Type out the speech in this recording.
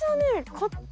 こっち？